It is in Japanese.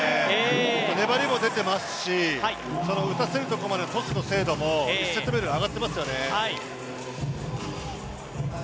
粘りも出ていますし打たせるところもトスの精度も１セット目より上がってますよね。